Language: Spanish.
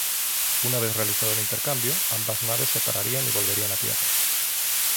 Una vez realizado el intercambio, ambas naves se separarían y volverían a Tierra.